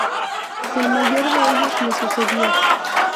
El mayor de ellos le sucedió.